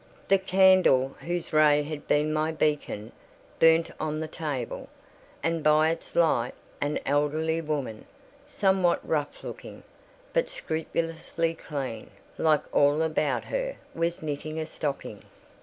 The candle, whose ray had been my beacon, burnt on the table; and by its light an elderly woman, somewhat rough looking, but scrupulously clean, like all about her, was knitting a stocking.